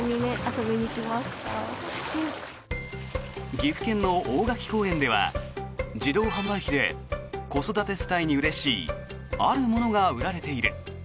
岐阜県の大垣公園では自動販売機で子育て世帯にうれしいあるものが売られている。